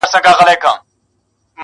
څه د مستیو ورځي شپې ووینو٫